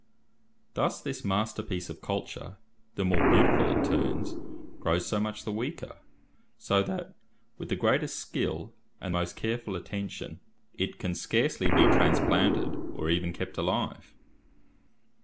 Thus this masterpiece of culture, the more beautiful it turns, grows so much the weaker, so that, with the greatest skill and most careful attention, it can scarcely be transplanted, or even kept alive."